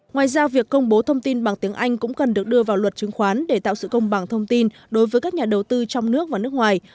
ngoài ra việc công bố thông tin bằng tiếng anh cũng cần được đưa vào luật chứng khoán để tạo sự công bằng thông tin đối với các nhà đầu tư trong nước và nước ngoài